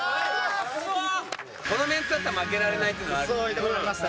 このメンツだったら負けられないっていうのはあるよね。